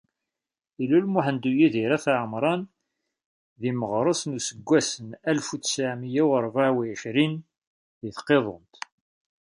Ilul Muḥend Uyidir Ayt Ɛemran deg meɣres n useggas n alef u tesεemya u rebεa u εecrin deg Tqidunt.